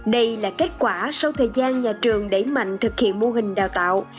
đây là kết quả sau thời gian nhà trường đẩy mạnh thực hiện mô hình đào tạo